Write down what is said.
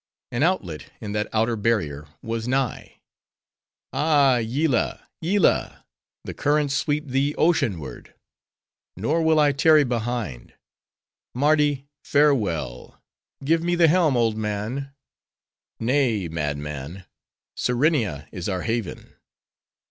An outlet in that outer barrier was nigh. "Ah! Yillah! Yillah!—the currents sweep thee ocean ward; nor will I tarry behind.—Mardi, farewell!—Give me the helm, old man!" "Nay, madman! Serenia is our haven.